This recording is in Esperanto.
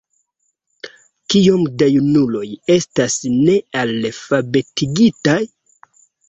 Kiom da junuloj estas nealfabetigitaj?